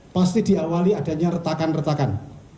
pasti diawali adanya retakan retakan